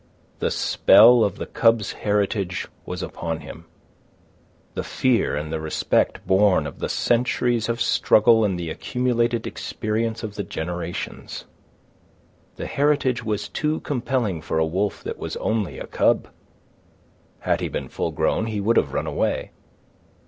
The spell of the cub's heritage was upon him, the fear and the respect born of the centuries of struggle and the accumulated experience of the generations. The heritage was too compelling for a wolf that was only a cub. Had he been full grown, he would have run away.